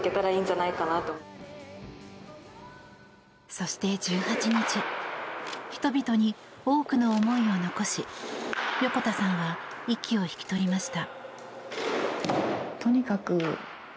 そして１８日人々に多くの思いを残し横田さんは息を引き取りました。